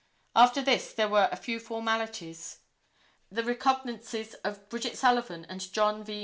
After this there were a few formalities. The recognizances of Bridget Sullivan and John V.